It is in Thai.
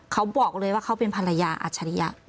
เขาบอกเลยว่าเขาเป็นภรรยาอัจฉริยะ